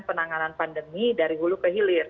penanganan pandemi dari hulu ke hilir